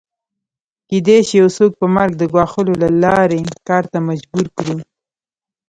کېدای شي یو څوک په مرګ د ګواښلو له لارې کار ته مجبور کړو